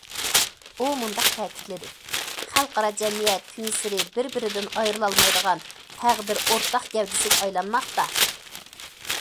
ئۇ مۇنداق تەكىتلىدى:« خەلقئارا جەمئىيەت كۈنسېرى بىر- بىرىدىن ئايرىلالمايدىغان تەقدىر ئورتاق گەۋدىسىگە ئايلانماقتا».